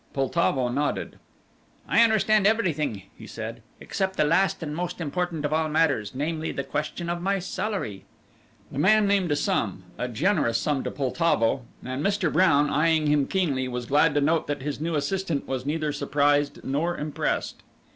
Poltavo nodded. "I understand everything," he said, "except the last and most important of all matters; namely, the question of my salary." The man named a sum a generous sum to Poltavo, and Mr. Brown, eyeing him keenly, was glad to note that his new assistant was neither surprised nor impressed.